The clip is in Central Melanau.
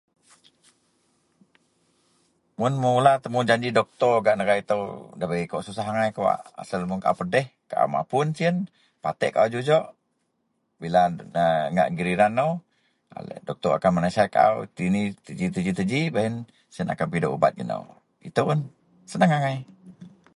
mun mula temujanji doctor gak negara itou, debei kawak susah agai kawak, asel mun au pedih, au mapun sien matek au jujuk bila a ngak giliran nou doctor akan menasihat au tu ni tu ji tu ji baih ien siyen akan pidok ubat gak nou itou un, senang agai